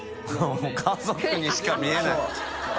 もう家族にしか見えない